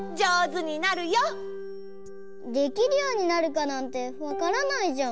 できるようになるかなんてわからないじゃん。